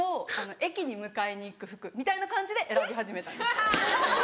駅に迎えに行く服みたいな感じで選び始めたんですよ。